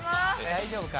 大丈夫か？